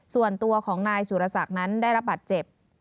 ส่วนตัวของนายสุรศักดิ์นั้นได้รับบาดเจ็บ